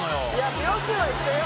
秒数は一緒よ